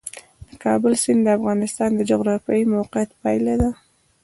د کابل سیند د افغانستان د جغرافیایي موقیعت پایله ده.